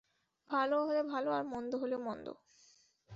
ভালো হলে ভালো আর মন্দ হলে মন্দ।